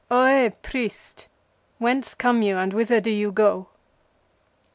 "Ohé, priest, whence come you and whither do you go?"